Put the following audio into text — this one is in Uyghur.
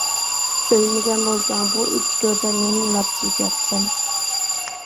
ئۆلمىگەن بولساڭ، بۇ ئىچ گۆردە نېمە لاپچىيىپ ياتىسەن؟